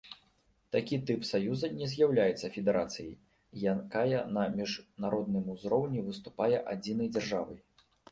Такі тып саюза не з'яўляецца федэрацыяй, якая на міжнародным узроўні выступае адзінай дзяржавай.